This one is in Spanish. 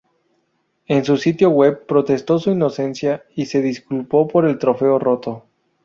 En su sitio web, protestó su inocencia, y se disculpó por el trofeo roto.